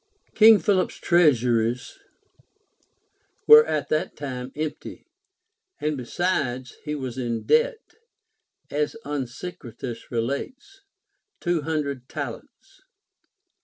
King Philip's treasuries were at that time empty, and besides he was in debt, as Onesicritus relates, two hundred talents.